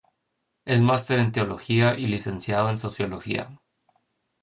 Es master en Teología y licenciado en Sociología.